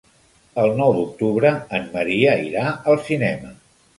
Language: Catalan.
El nou d'octubre en Maria irà al cinema.